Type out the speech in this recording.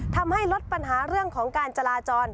ทำให้ลดปัญหาเรื่องของการจราจร